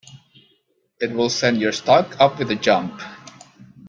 It will send your stock up with a jump.